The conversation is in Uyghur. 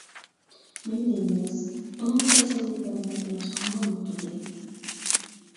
نېمە دەيمىز، ئۇنىڭغا تەسەللى بەرمەكتىن باشقا ئامال يوق ئىدى.